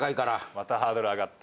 またハードル上がった。